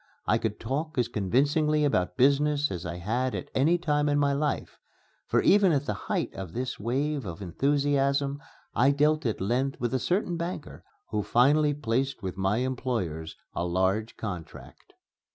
I could talk as convincingly about business as I had at any time in my life; for even at the height of this wave of enthusiasm I dealt at length with a certain banker who finally placed with my employers a large contract.